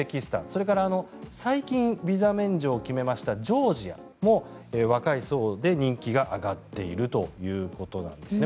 それから、最近ビザ免除を決めましたジョージアも若い層で人気が上がっているということなんですね。